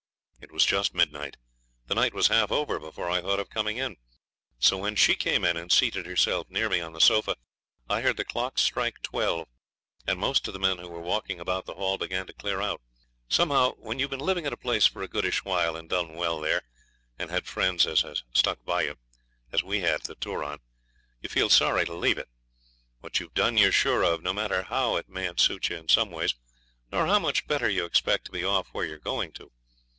It was just midnight. The night was half over before I thought of coming in. So when she came in and seated herself near me on the sofa I heard the clock strike twelve, and most of the men who were walking about the hall began to clear out. Somehow, when you've been living at a place for a goodish while, and done well there, and had friends as has stuck by you, as we had at the Turon, you feel sorry to leave it. What you've done you're sure of, no matter how it mayn't suit you in some ways, nor how much better you expect to be off where you are going to.